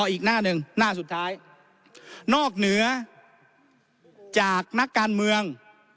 อีกหน้าหนึ่งหน้าสุดท้ายนอกเหนือจากนักการเมือง